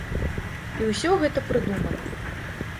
І ўсё гэта прыдумана.